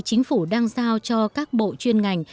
chính phủ đang giao cho các bộ chuyên ngành